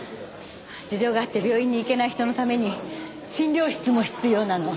事情があって病院に行けない人のために診療室も必要なの。